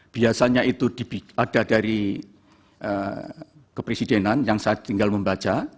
biasanya itu ada dari kepresidenan yang saya tinggal membaca